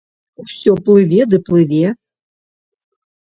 Усё плыве ды плыве.